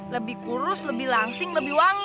lebih kurus lebih langsing lebih wangi